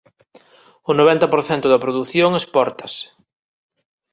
O noventa por cento da produción expórtase.